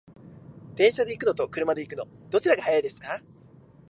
電車で行くのと車で行くの、どちらが早いですか？